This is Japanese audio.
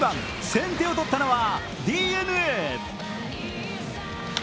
先手を取ったのはＤｅＮＡ。